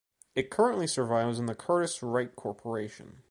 It currently survives in the Curtiss-Wright Corporation.